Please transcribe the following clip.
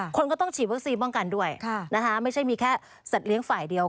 คนก็ต้องฉีดวัคซีนป้องกันด้วยนะคะไม่ใช่มีแค่สัตว์เลี้ยงฝ่ายเดียว